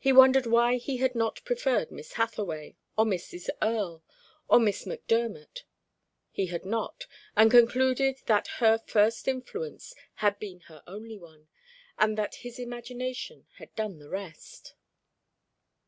He wondered why he had not preferred Miss Hathaway, or Mrs. Earle, or Miss McDermott. He had not, and concluded that her first influence had been her only one, and that his imagination had done the rest.